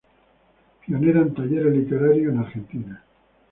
Pionera en talleres literarios en Argentina.